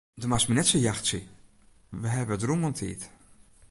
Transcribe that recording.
Do moatst my net sa jachtsje, we hawwe it rûm oan tiid.